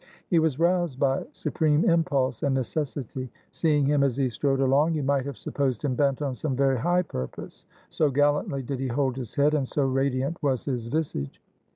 He was roused by supreme impulse and necessity; seeing him as he strode along, you might have supposed him bent on some very high purpose, so gallantly did he hold his head, and so radiant was his visage.